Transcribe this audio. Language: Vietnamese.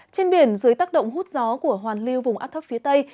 trên biển dưới tác động hút gió của hoàn lưu vùng áp thấp phía tây